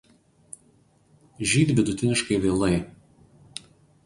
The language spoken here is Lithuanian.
Žydi vidutiniškai vėlai.